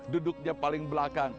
duduknya paling belakang